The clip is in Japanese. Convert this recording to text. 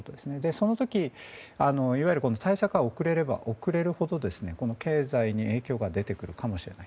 その時対策が遅れれば遅れるほど経済に影響が出てくるかもしれない。